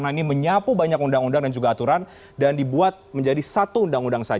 jadi ini menyapu banyak undang undang dan juga aturan dan dibuat menjadi satu undang undang saja